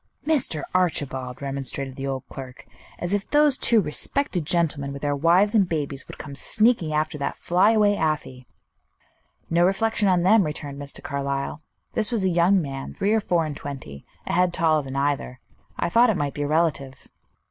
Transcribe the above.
"Mr. Archibald!" remonstrated the old clerk; "as if those two respected gentlemen, with their wives and babies, would come sneaking after that flyaway Afy!" "No reflection on them," returned Mr. Carlyle. "This was a young man, three or four and twenty, a head taller than either. I thought it might be a relative."